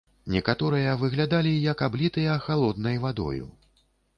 Некаторыя выглядалі, як аблітыя халоднай вадою.